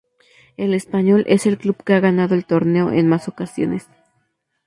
El Español es el club que ha ganado el torneo en más ocasiones.